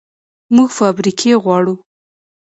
موږ فابریکې غواړو